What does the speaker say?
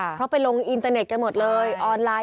เพราะไปลงอินเตอร์เน็ตกันหมดเลยออนไลน์